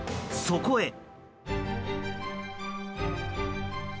そこへ。